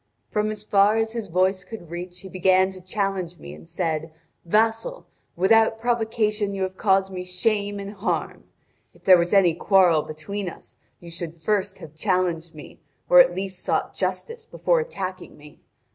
From as far as his voice could reach he began to challenge me, and said: 'Vassal, without provocation you have caused me shame and harm. If there was any quarrel between us you should first have challenged me, or at least sought justice before attacking me.